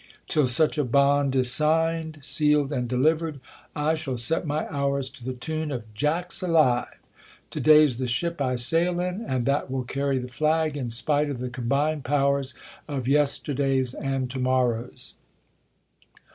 Till such a bond is signed, scal ed, and delivered, I shall set my hours to the tune ot Jack's alive." To day's the ship I sail in, and that will carry the flag, in spite of the combined powers of yesterdays and to morrows.'